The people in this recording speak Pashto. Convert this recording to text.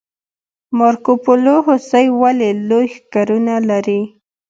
مارکوپولو هوسۍ ولې لوی ښکرونه لري؟